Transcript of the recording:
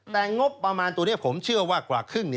แต่งบประมาณตัวนี้ผมเชื่อว่ากว่าครึ่ง